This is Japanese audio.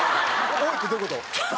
「おい！」ってどういう事？